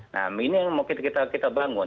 nah ini yang mau kita bangun